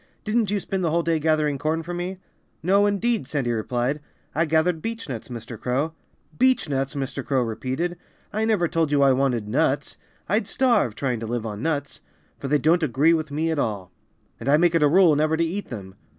"Didn't you spend the whole day gathering corn for me?" "No, indeed!" Sandy replied. "I gathered beechnuts, Mr. Crow." "Beechnuts!" Mr. Crow repeated. "I never told you I wanted nuts. I'd starve, trying to live on nuts; for they don't agree with me at all. And I make it a rule never to eat them.